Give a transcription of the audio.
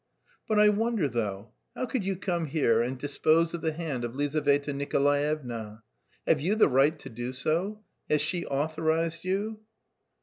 "But I wonder, though, how could you come here and dispose of the hand of Lizaveta Nikolaevna? Have you the right to do so? Has she authorised you?"